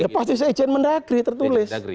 ya pasti seizin mendagri tertulis